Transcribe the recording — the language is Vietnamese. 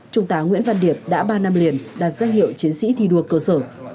chúng ta nguyễn văn điệp đã ba năm liền đạt danh hiệu chiến sĩ thi đua cơ sở